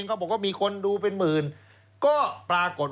ก็ดีก็ดีพอเราบอกคอม